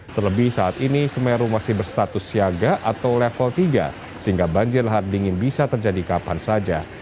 terlebih saat ini semeru masih berstatus siaga atau level tiga sehingga banjir lahar dingin bisa terjadi kapan saja